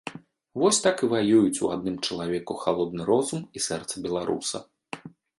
Вось так і ваююць у адным чалавеку халодны розум і сэрца беларуса.